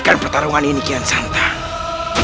tidak akan kian santai